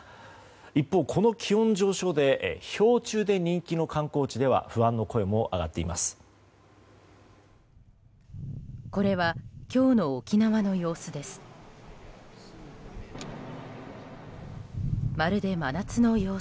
一方、この気温上昇で氷柱で人気の観光地では不安の声も上がっています。